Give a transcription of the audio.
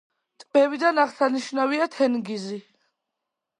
ტბებიდან აღსანიშნავია თენგიზი.